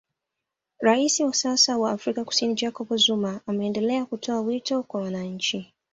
Raisi wa sasa wa Afrika Kusini Jacob Zuma ameendelea kutoa wito kwa wananchi